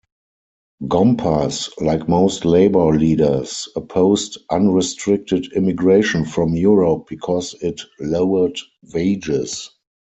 Gompers, like most labor leaders, opposed unrestricted immigration from Europe because it lowered wages.